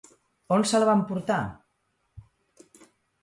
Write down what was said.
On se la va emportar?